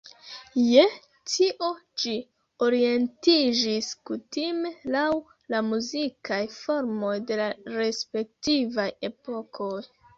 Je tio ĝi orientiĝis kutime laŭ la muzikaj formoj de la respektivaj epokoj.